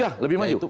iya lebih maju